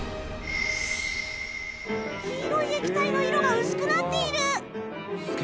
黄色い液体の色が薄くなっている！